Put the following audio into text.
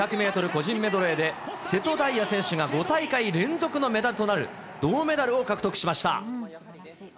個人メドレーで、瀬戸大也選手が５大会連続のメダルとなる、銅メダルを獲得しました。